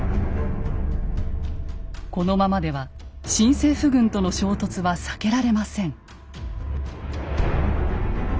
このままでは新政府軍との衝突は避けられません。